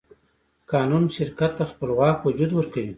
قانون شرکت ته خپلواک وجود ورکوي.